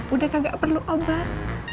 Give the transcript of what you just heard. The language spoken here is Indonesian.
udah kagak perlu obat